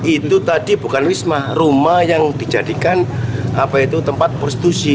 itu tadi bukan wisma rumah yang dijadikan tempat prostitusi